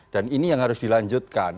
dan ini yang harus dilanjutkan